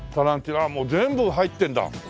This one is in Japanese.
ああもう全部入ってるんだ。